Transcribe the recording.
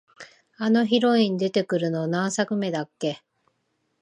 あのヒロイン出てくるの、何作目だっけ？